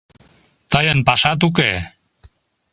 Тыйын пашат уке...